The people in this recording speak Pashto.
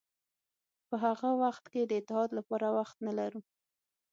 په هغه وخت کې د اتحاد لپاره وخت نه لرو.